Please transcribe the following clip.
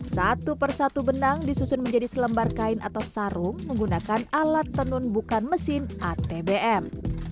satu persatu benang disusun menjadi selembar kain atau sarung menggunakan alat tenun bukan mesin atbm